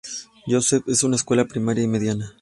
Joseph, una escuela primaria y media.